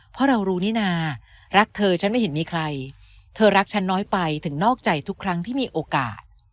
เพราะเรารู้นี่นารักเธอฉันไม่เห็นมีใครเธอรักฉันน้อยไปถึงนอกใจทุกครั้งที่มีโอกาส